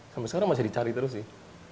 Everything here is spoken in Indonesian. sampai sekarang masih dicari terus sih